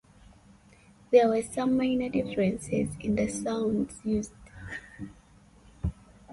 There were some minor differences in the sounds used.